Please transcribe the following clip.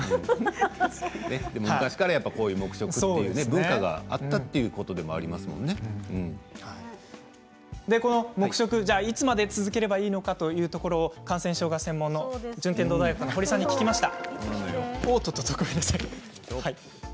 昔から、こういう黙食という文化があったということでも黙食をいつまで続ければいいのか感染症が専門の順天堂大学の堀さんに聞きました。